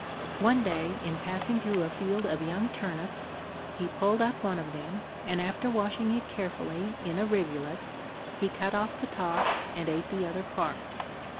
One day, in passing through a field of young turnips, he pulled up one of them, and after washing it carefully in a rivulet, he cut off the top, and ate the other part.